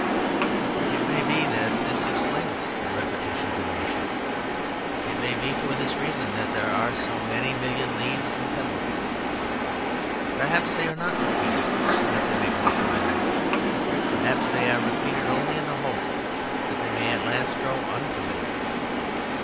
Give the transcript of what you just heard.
It may be that this explains the repetitions in Nature, it may be for this reason that there are so many million leaves and pebbles. Perhaps they are not repeated so that they may grow familiar. Perhaps they are repeated only in the hope that they may at last grow unfamiliar.